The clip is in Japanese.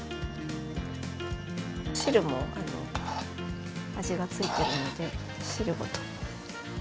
汁も味がついてるので汁ごと。